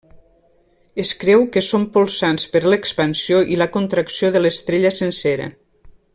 Es creu que són polsants per l'expansió i la contracció de l'estrella sencera.